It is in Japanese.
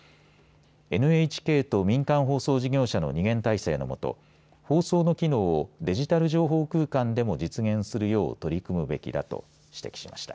ＮＨＫと民間放送事業者の二元体制のもと放送の機能をデジタル情報空間でも実現するよう取り組むべきだと指摘しました。